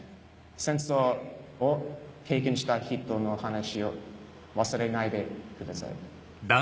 戦争を経験した人の話を忘れないでください。